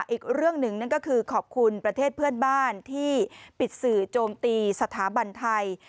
อีกเรื่องหนึ่งนั่นก็คือขอบคุณประเทศเพื่อนบ้านที่ปิดสื่อโจมตีสถาบันไทย